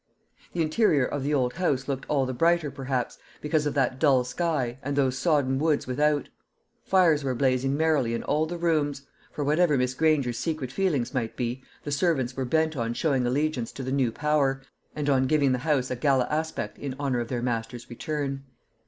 The interior of the old house looked all the brighter, perhaps, because of that dull sky and, and those sodden woods without. Fires were blazing merrily in all the rooms; for, whatever Miss Granger's secret feelings might be, the servants were bent on showing allegiance to the new power, and on giving the house a gala aspect in honour of their master's return.